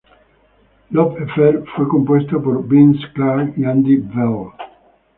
Love Affair fue compuesta por Vince Clarke y Andy Bell.